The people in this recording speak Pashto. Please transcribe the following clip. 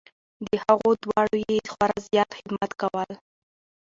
د هغو دواړو یې خورا زیات خدمت کول .